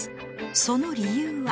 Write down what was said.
その理由は